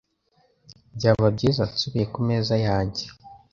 Byaba byiza nsubiye ku meza yanjye